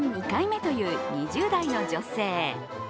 ２回目という２０代の女性。